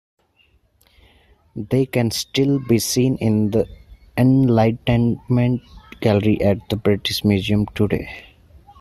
They can still be seen in the Enlightenment Gallery at the British Museum today.